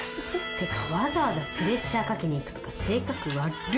てかわざわざプレッシャーかけに行くとか性格わっる。